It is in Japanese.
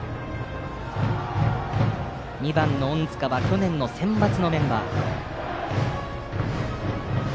２番の隠塚は去年のセンバツのメンバー。